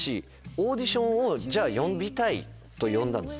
オーディション呼びたい」と呼んだんです。